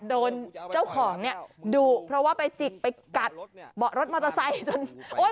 โดนเจ้าของเนี่ยดุเพราะว่าไปจิกไปกัดเบาะรถมอเตอร์ไซค์จนโอ้ย